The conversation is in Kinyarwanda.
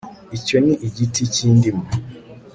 icyo ni igiti cy'indimu